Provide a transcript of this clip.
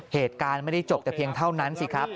เหตุการณ์ไม่ได้จบแต่เพียงเท่านั้นสิครับ